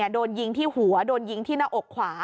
โดนยิงที่หัวโดนยิงที่หน้าอกขวา